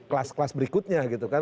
kelas kelas berikutnya gitu kan